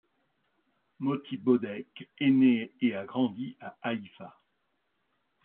Moti Bodek est né et a grandi à Haïfa.